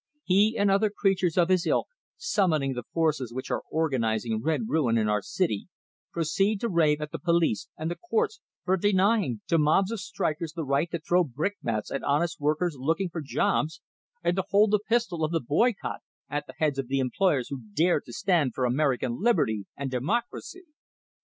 He and other creatures of his ilk, summoning the forces which are organizing red ruin in our city, proceed to rave at the police and the courts for denying to mobs of strikers the right to throw brickbats at honest workers looking for jobs, and to hold the pistol of the boycott at the heads of employers who dare to stand for American liberty and democracy!